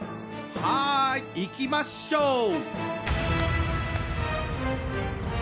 はい！いきましょう！